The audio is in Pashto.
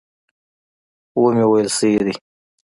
ومې ویل صحیح دي.